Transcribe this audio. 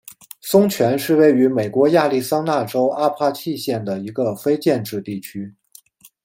松泉是位于美国亚利桑那州阿帕契县的一个非建制地区。